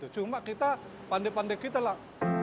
cuma kita pandai pandai kita lah